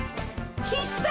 必殺！